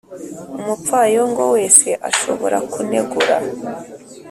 umupfayongo wese ashobora kunegura,